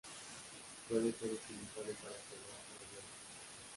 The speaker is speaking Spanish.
Puede ser utilizado para probar tableros.